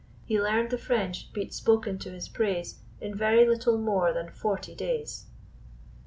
He learned the French, be't spoken to his praise, In very little more than fourty days.